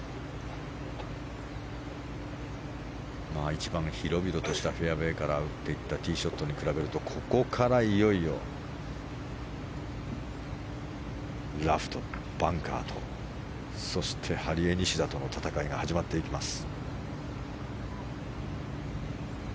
一番広々としたフェアウェーから打っていったティーショットに比べるとここから、いよいよラフとバンカーとそしてハリエニシダとの戦いが始まっていきます。